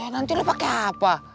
nanti lu pake apa